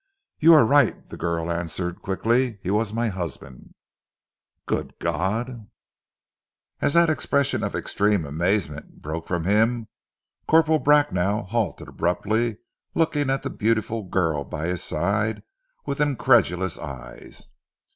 "You are right," the girl answered quickly. "He was my husband." "Good God!" As that expression of extreme amazement broke from him, Corporal Bracknell halted abruptly, looking at the beautiful girl by his side, with incredulous eyes.